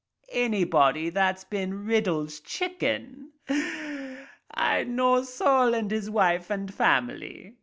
"Anybody that's been Riddle's chicken. I know Sol and his wife and family.